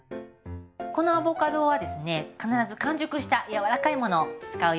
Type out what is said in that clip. このアボカドはですね必ず完熟した柔らかいものを使うようにして下さい。